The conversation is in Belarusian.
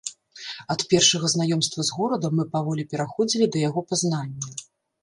Ад першага знаёмства з горадам мы паволі пераходзілі да яго пазнання.